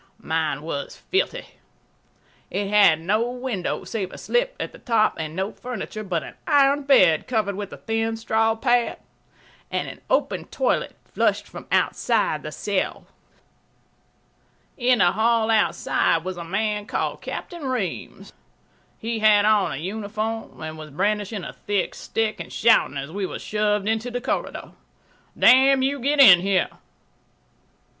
Mine was filthy. It had no window save a slip at the top and no furniture but an iron bed covered with a thin straw pad, and an open toilet flushed from outside the cell .... In the hall outside was a man called Captain Reems. He had on a uniform and was brandishing a thick stick and shouting as we were shoved into the corridor, "Damn you, get in here."